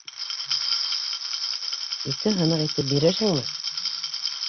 Ике һыныҡ итеп бирерһеңме?